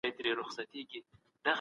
ادئب او څېړونکی دواړه مهم دي.